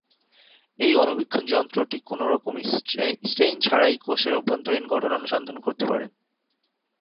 এই অণুবীক্ষণ যন্ত্রটি কোনরকম স্টেইন ছাড়াই কোষের অভ্যন্তরীন গঠন অনুসন্ধান করতে পারে।